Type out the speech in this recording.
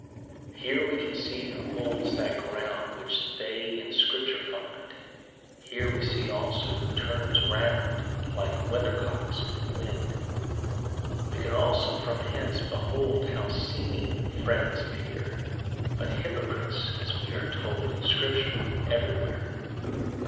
Here we can see who holds that ground Which they in Scripture find: Here we see also who turns round Like weathercocks with wind. We can also from hence behold How seeming friends appear But hypocrites, as we are told In Scripture everywhere.